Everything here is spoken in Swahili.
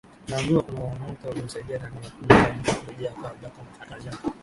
Nimeambiwa kuna mwaka ulimsaidia dada wa Kinyarwanda kurejea kwao Jacob Matata alisema